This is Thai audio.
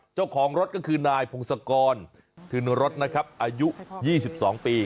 เจ้าของรถก็คือนายพงศกรทึนรสนะครับอายุ๒๒ปี